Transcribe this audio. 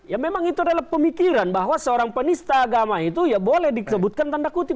ya memang itu adalah pemikiran bahwa seorang penista agama itu ya boleh disebutkan tanda kutip